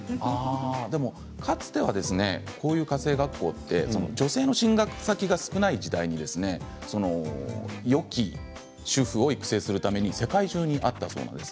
でも、かつてはこういう家政学校って女性の進学先が少ない時代によき主婦を育成するために世界中にあったそうなんです。